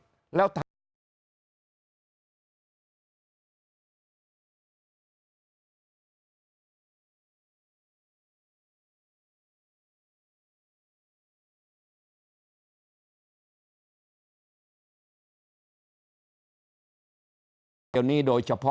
สวัสดีครับท่านผู้ชมครับ